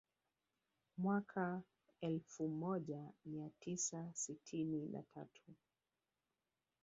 Mwaka elfu moja mia tisa sitini na tatu